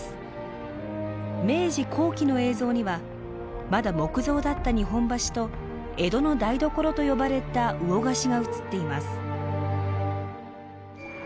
明治後期の映像にはまだ木造だった日本橋と江戸の台所と呼ばれた魚河岸が映っています。